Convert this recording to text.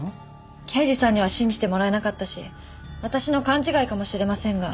刑事さんには信じてもらえなかったし私の勘違いかもしれませんが。